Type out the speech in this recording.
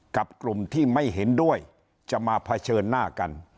กับกลุ่มที่ไม่เห็นด้วยจะมาเผชิญหน้ากัน